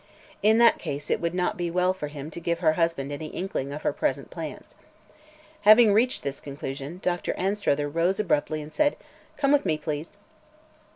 In that case it would not be well for him to give her husband any inkling of her present plans. Having reached this conclusion, Dr. Anstruther rose abruptly and said: "Come with me, please."